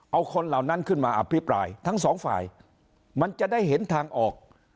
เอาคนเหล่านั้นขึ้นมาอภิปรายทั้งสองฝ่ายมันจะได้เห็นทางออก